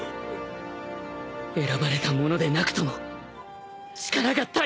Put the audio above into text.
選ばれた者でなくとも力が足りずとも